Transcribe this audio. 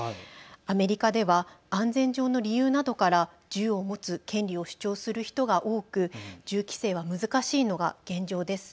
アメリカでは安全上の理由などから銃を持つ権利を主張する人が多く銃規制は難しいのが現状です。